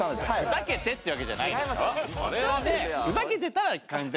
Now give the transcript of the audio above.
ふざけてっていうわけじゃないでしょ？